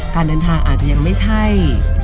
การเดินทางอาจจะยังไม่ใช่